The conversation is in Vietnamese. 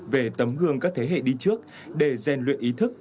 về tấm gương các thế hệ đi trước để rèn luyện ý thức